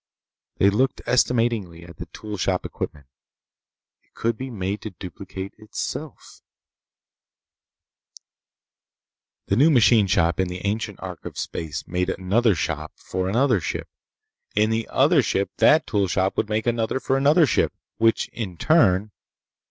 They looked estimatingly at the tool shop equipment. It could be made to duplicate itself— The new machine shop, in the ancient ark of space, made another machine shop for another ship. In the other ship that tool shop would make another for another ship, which in turn....